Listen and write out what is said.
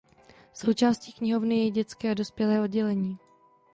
Součástí knihovny je dětské a dospělé oddělení.